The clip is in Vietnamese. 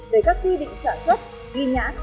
về các quy định sản xuất ghi nhãn